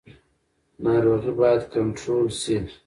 ناروغي باید کنټرول شي